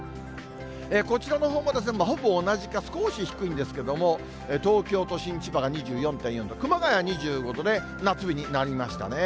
こちらのほうもほぼ同じか少し低いんですけども、東京都心、千葉が２４．４度、熊谷２５度で、夏日になりましたね。